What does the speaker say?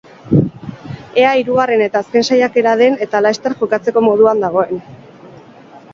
Ea hirugarren eta azken saiakera den eta laster jokatzeko moduan dagoen.